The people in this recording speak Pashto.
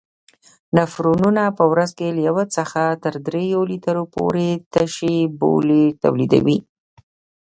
نفرونونه په ورځ کې له یو څخه تر دریو لیترو پورې تشې بولې تولیدوي.